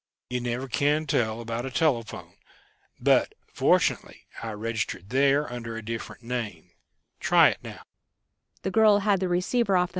You never can tell about a telephone. But fortunately, I registered there under a different name. Try it now."